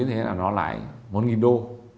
thế nó lại một đô